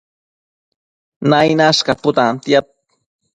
Nainash caputantiad